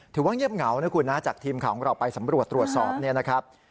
เงียบเหงานะคุณนะจากทีมข่าวของเราไปสำรวจตรวจสอบเนี่ยนะครับ